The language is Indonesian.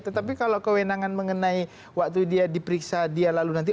tetapi kalau kewenangan mengenai waktu dia diperiksa dia lalu nanti